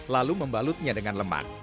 lalu membalutnya dengan lemak